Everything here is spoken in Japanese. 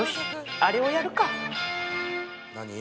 あれをやるか